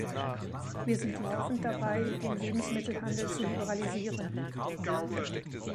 Wir sind laufend dabei, den Lebensmittelhandel zu liberalisieren.